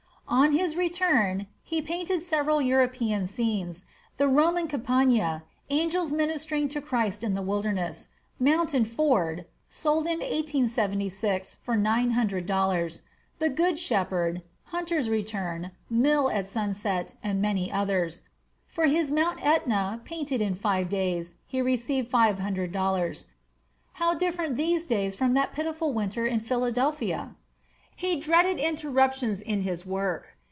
On his return, he painted several European scenes, the "Roman Campagna," "Angels Ministering to Christ in the Wilderness," "Mountain Ford" (sold in 1876 for nine hundred dollars), "The Good Shepherd," "Hunter's Return," "Mill at Sunset," and many others. For his "Mount Etna," painted in five days, he received five hundred dollars. How different these days from that pitiful winter in Philadelphia! He dreaded interruptions in his work.